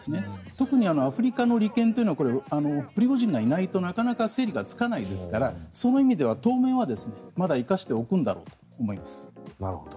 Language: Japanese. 特にアフリカの利権というのはプリゴジンがいないとなかなか整理がつかないですからその意味では当面はまだ生かしておくんだろうと思います。